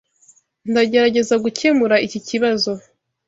Ndagerageza gukemura iki kibazo.